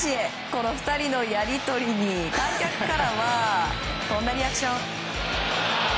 この２人のやり取りに観客からはこんなリアクション。